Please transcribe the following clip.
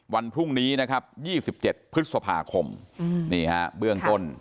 วันพรุ่งนี้นะครับยี่สิบเจ็ดพฤษภาคมอืมนี่ฮะเบื้องต้น